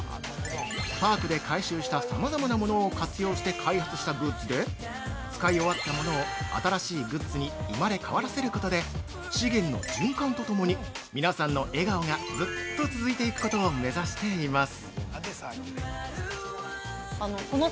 パークで回収したさまざまなものを活用して開発したグッズで、使い終わったものを新しいグッズに生まれ変わらせることで、資源の循環とともに皆さんの笑顔がずっと続いていくことを目指しています。